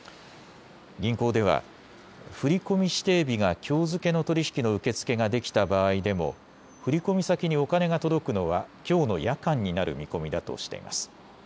銀行では振り込み指定日がきょう付けの取り引きの受け付けができた場合でも振り込み先にお金が届くのはきょうの夜間になる見込みだとしています。